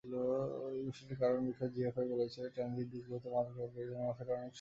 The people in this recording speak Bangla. বিষয়টির কারণ ব্যাখ্যায় জিএফআই বলছে, ট্রানজিট দেশগুলোতে মাদক পাচারকারী মাফিয়ারা অনেক বেশি সক্রিয়।